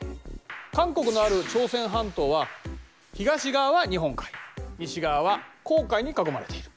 韓国のある朝鮮半島は東側は日本海西側は黄海に囲まれている。